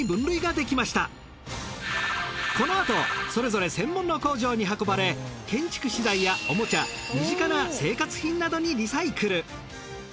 このあとそれぞれ専門の工場に運ばれ建築資材やおもちゃ身近な生活品などにリサイクル。